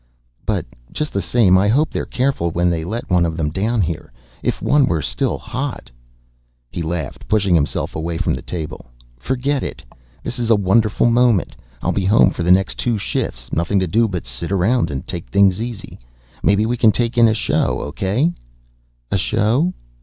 "But just the same, I hope they're careful when they let one of them down here. If one were still hot " He laughed, pushing himself away from the table. "Forget it. This is a wonderful moment; I'll be home for the next two shifts. Nothing to do but sit around and take things easy. Maybe we can take in a show. Okay?" "A show?